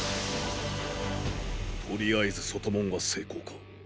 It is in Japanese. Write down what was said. とりあえず外門は成功か。